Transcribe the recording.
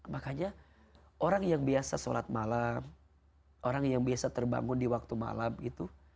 makanya orang yang biasa sholat malam orang yang biasa terbangun di waktu malam gitu